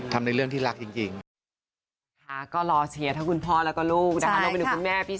ในเรื่องที่รักจริง